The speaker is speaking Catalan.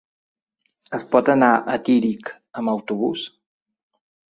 Es pot anar a Tírig amb autobús?